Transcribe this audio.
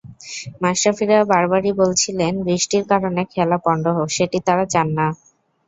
মাশরাফিরা বারবারই বলছিলেন, বৃষ্টির কারণে খেলা পণ্ড হোক, সেটি তাঁরা চান না।